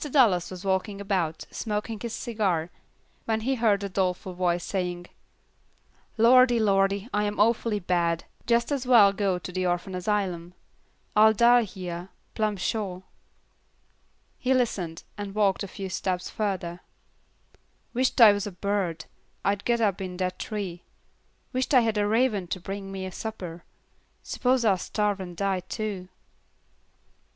Dallas was walking about, smoking his cigar, when he heard a doleful voice saying, "Lordy, Lordy, I'm awful bad, just as well go to the orphan asylum. I'll die hyah, plum sho'." He listened, and walked a few steps further. "Wisht I was a bird, I'd get up in that tree. Wisht I had a raven to bring me my supper s'pose I'll starve and die too."